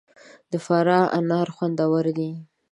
د فراه انار خوندور دي